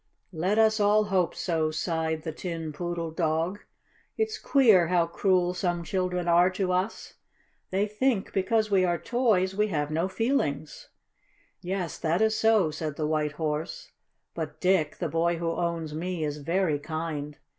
"Let us all hope so," sighed the Tin Poodle Dog. "It's queer how cruel some children are to us. They think, because we are toys, we have no feelings." "Yes, that is so," said the White Horse. "But Dick, the boy who owns me, is very kind.